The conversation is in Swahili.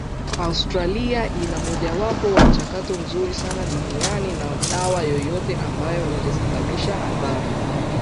Australia ina mmojawapo wa mchakato mzuri sana duniani na dawa yoyote ambayo ingesababisha athari